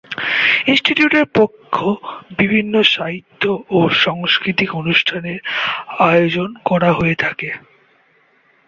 ইনস্টিটিউটের পক্ষ বিভিন্ন সাহিত্য ও সাংস্কৃতিক অনুষ্ঠানের আয়োজন করা হয়ে থাকে।